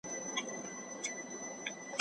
د جهاني غزل د شمعي په څېر ژبه لري